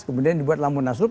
kemudian dibuatlah munaslub